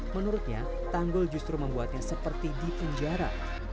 menurutnya tanggul justru membuatnya seperti di penjara